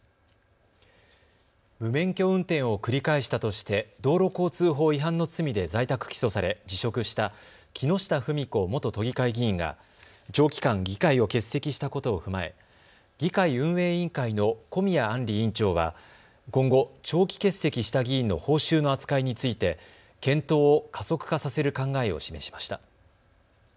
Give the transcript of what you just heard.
無免許運転を繰り返したとして道路交通法違反の罪で在宅起訴され、辞職した木下富美子元都議会議員が長期間、議会を欠席したことを踏まえ議会運営委員会の小宮安里委員長は今後、長期欠席した議員の報酬の扱いについて検討を加速化させる考えを示しました。